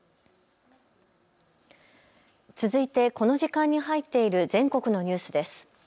続いてこの時間に入っている全国のニュースです。